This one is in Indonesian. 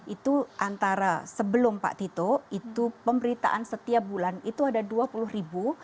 itu antara sebelum pak tito itu pemberitaan setiap bulan itu ada dua puluh ribu